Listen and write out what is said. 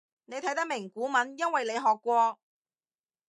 你睇得明古文因為你學過